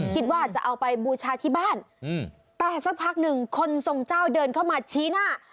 คิดว่าจะเอาไปบูชาที่บ้านแต่สักพักหนึ่งคนทรงเจ้าเดินเข้ามาชี้หน้า